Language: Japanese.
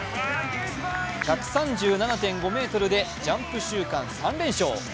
１３７．５ｍでジャンプ週間３連勝。